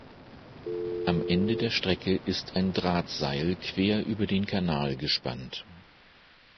Am Ende der Strecke ist ein Drahtseil quer über den Kanal gespannt.